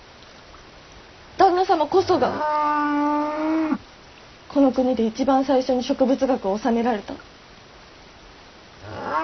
旦那様こそがこの国で一番最初に植物学を修められた。